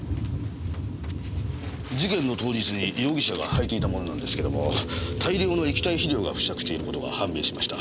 事件の当日に容疑者が履いていたものなんですけども大量の液体肥料が付着していることが判明しました。